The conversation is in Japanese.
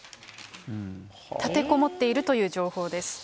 立てこもっているという情報です。